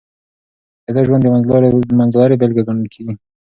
د ده ژوند د منځلارۍ بېلګه ګڼل کېږي.